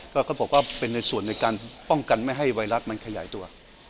ก็เขาบอกว่าเป็นในส่วนในการป้องกันไม่ให้ไวรัสมันขยายตัว